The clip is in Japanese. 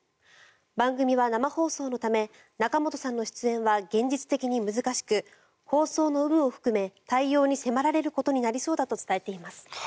番組は生放送のため仲本さんの出演は現実的に難しく放送の有無を含め、対応に迫られることになりそうだと伝えています。